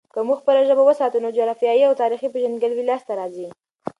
که موږ خپله ژبه وساتو، نو جغرافیايي او تاريخي پیژندګلوي لاسته راځي.